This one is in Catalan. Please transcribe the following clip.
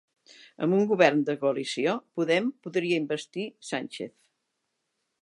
Amb un govern de coalició Podem podria investir Sánchez